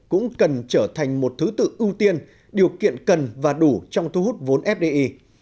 cũng cần trở thành một thứ tự ưu tiên điều kiện cần và đủ trong thu hút vốn fdi